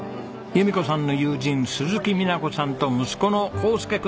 弓子さんの友人鈴木美奈子さんと息子の浩介くんです。